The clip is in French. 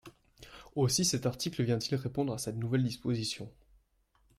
Aussi cet article vient-il répondre à cette nouvelle disposition.